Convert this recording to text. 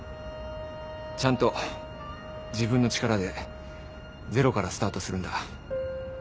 ちゃんと自分の力でゼロからスタートするんだ。